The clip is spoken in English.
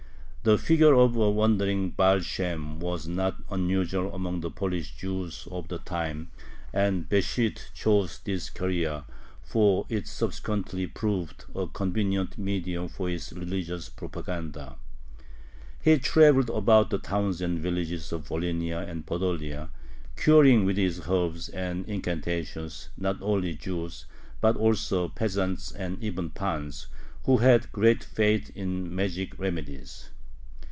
The figure of a wandering Baal Shem was not unusual among the Polish Jews of the time, and Besht chose this career, for it subsequently proved a convenient medium for his religious propaganda. He traveled about the towns and villages of Volhynia and Podolia, curing with his herbs and incantations not only Jews, but also peasants and even pans, who had great faith in magic remedies.